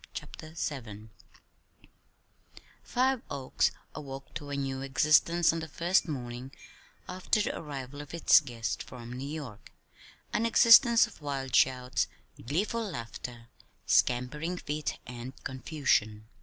CHAPTER VII Five oaks awoke to a new existence on the first morning after the arrival of its guests from New York an existence of wild shouts, gleeful laughter, scampering feet and confusion.